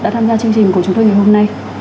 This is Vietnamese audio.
đã tham gia chương trình của chúng tôi ngày hôm nay